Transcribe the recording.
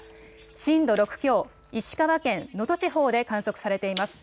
震度６強、石川県能登地方で観測されています。